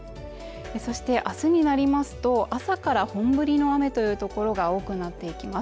そして明日になりますと朝から本降りの雨というところが多くなっていきます。